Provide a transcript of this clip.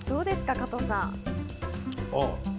加藤さん。